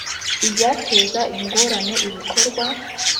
ibyateza ingorane ibikorwa